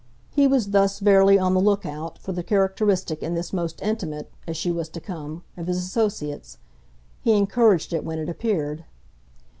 He was thus fairly on the look out for the characteristic in this most intimate, as she was to come, of his associates. He encouraged it when it appeared.